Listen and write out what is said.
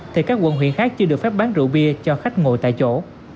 thì các quận huyện khác chưa được phép bán rượu bia cho khách ngồi tại chỗ